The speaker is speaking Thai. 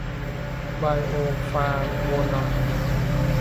ไบโอฟลาโวนอยด์